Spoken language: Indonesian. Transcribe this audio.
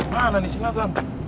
mana disini bang